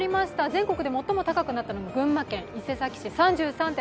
全国で最も高くなったのが群馬県伊勢崎市で３３．８度。